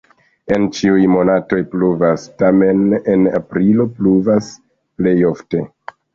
En ĉiuj monatoj pluvas, tamen en aprilo pluvas plej ofte.